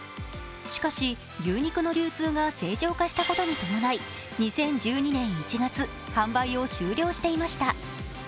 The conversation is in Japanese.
しかし、牛肉の流通が正常化したのに伴い２０１２年１月、販売を終了していました。